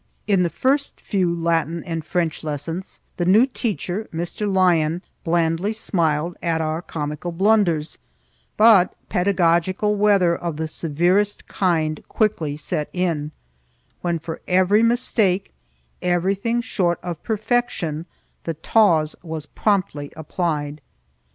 In the first few Latin and French lessons the new teacher, Mr. Lyon, blandly smiled at our comical blunders, but pedagogical weather of the severest kind quickly set in, when for every mistake, everything short of perfection, the taws was promptly applied.